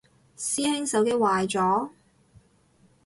師兄手機壞咗？